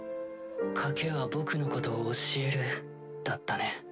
賭けは僕のことを教えるだったね。